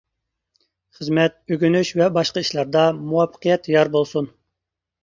خىزمەت، ئۆگىنىش ۋە باشقا ئىشلاردا مۇۋەپپەقىيەت يار بولسۇن!